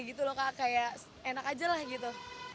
gitu loh kak kayak enak aja lah gitu